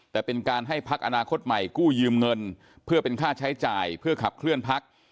แต่เป็นการให้พักอนาคตใหม่กู้ยืมเงินเพื่อเป็นค่าใช้จ่ายเพื่อขับเคลื่อนพัก